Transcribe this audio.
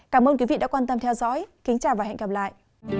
cảm ơn các bạn đã theo dõi kính chào và hẹn gặp lại